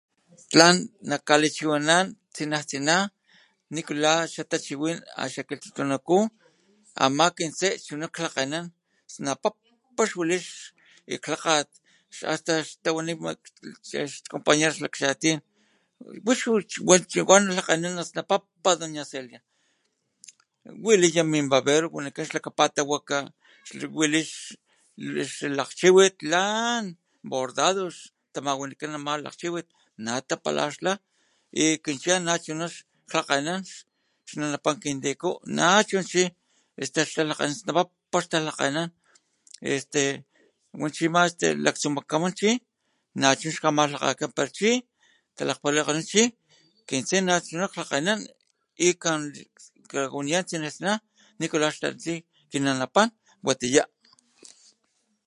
Tlan najkalichiwinanan tsinaj tsinaj nikula xa tachiwin a xa kilhtutunaku ama kin tse chuna xlhakgenan snapapa xwanit ix lhakgat hasta xtawani mat ix compañeros lakchatin wix chi wanchi lhakganan snapapa doña Celia waliya min babero wanikan ix tapatawaka wali ix lakchiwit lan bordado xtamawanikan ama lakgchiwit nata palaxla y kin chat nachu ixlhakgenan xna'napan kin tiku nachu chi este xa la kgasnapapapa' este wan chima laktsukaman chi nachu xkamalhakgekan pero chi talaktapalikgonit chi kin tse nachuna lhakganan y jkawaniya tsina tsina nikula xtatasi kinanapan watiya.